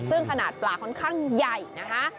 ซึ่งขนาดปลาค่อนข้างใหญ่นะคะ